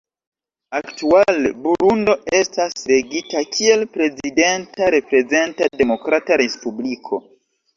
Aktuale, Burundo estas regita kiel prezidenta reprezenta demokrata respubliko.